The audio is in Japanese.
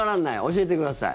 教えてください。